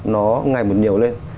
nó ngày một nhiều lên